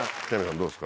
どうですか？